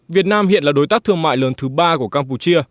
việt nam hiện là đối tác thương mại lớn thứ ba của campuchia